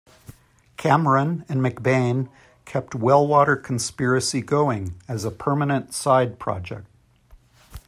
Cameron and McBain kept Wellwater Conspiracy going as a permanent side project.